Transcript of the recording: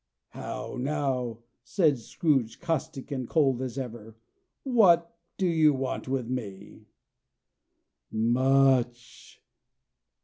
"How now" said Scrooge, caustic and cold as ever. "What do you want with me?" "Much!"